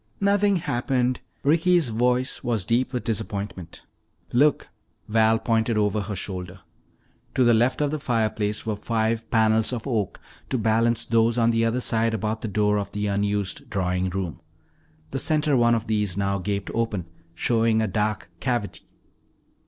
"Nothing happened." Ricky's voice was deep with disappointment. "Look!" Val pointed over her shoulder. To the left of the fireplace were five panels of oak, to balance those on the other side about the door of the unused drawing room. The center one of these now gaped open, showing a dark cavity.